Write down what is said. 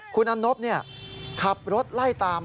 คุณอันนบขับรถไล่ตาม